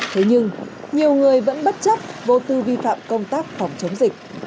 thế nhưng nhiều người vẫn bất chấp vô tư vi phạm công tác phòng chống dịch